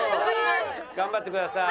頑張ってください。